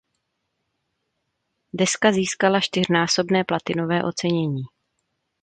Deska získala čtyřnásobné platinové ocenění.